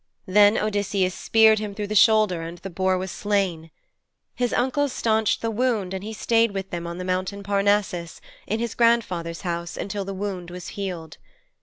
Then Odysseus speared him through the shoulder and the boar was slain. His uncles staunched the wound and he stayed with them on the mountain Parnassus, in his grandfather's house, until the wound was healed.